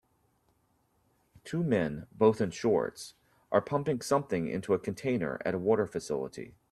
Two men, both in shorts, are pumping something into a container at a water facility.